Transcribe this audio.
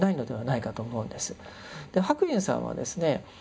白隠さんはですね